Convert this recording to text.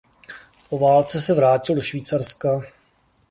Po válce se vrátil do Švýcarska.